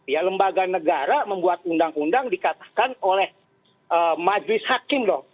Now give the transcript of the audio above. ya lembaga negara membuat undang undang dikatakan oleh majelis hakim loh